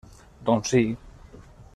Doncs sí.